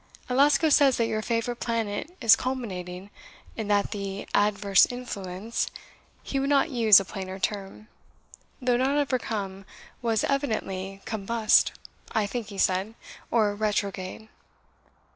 Alasco says that your favourite planet is culminating, and that the adverse influence he would not use a plainer term though not overcome, was evidently combust, I think he said, or retrograde."